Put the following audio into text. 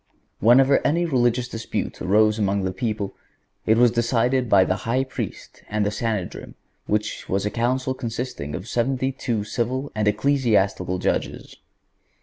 Whenever any religious dispute arose among the people it was decided by the High Priest and the Sanhedrim, which was a council consisting of seventy two civil and ecclesiastical judges.